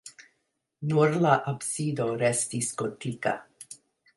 Nur la absido restis gotika.